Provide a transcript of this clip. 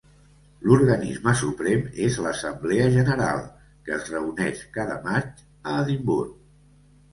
L'organisme suprem és l'Assemblea General, que es reuneix cada maig a Edimburg.